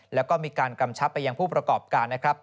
แล้วก็มีการกำชับไปยังผู้ประกอบการนะครับ